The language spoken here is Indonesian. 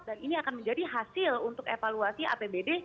dan ini akan menjadi hasil untuk evaluasi apbd